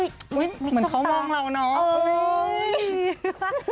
เหมือนเขามองเราเนาะ